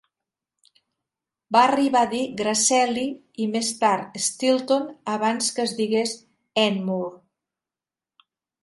Va arribar a dir Grasselli, i més tard Steelton, abans que es digués Anmoore.